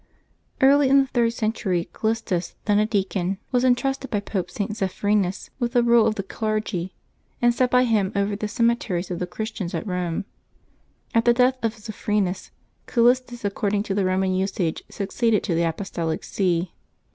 /^ARLT in the third century, Callistus, then a deacon, VJ^ was intrusted by Pope St. Zephyrinus with the rule of the clergy, and set by him over the cemeteries of the Christians at Eome ; and, at the death of Zephyrinus, Cal listus, according to the Roman usage, succeeded to the Apostolic See.